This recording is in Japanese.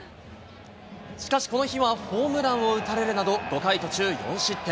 しかしこの日はホームランを打たれるなど、５回途中４失点。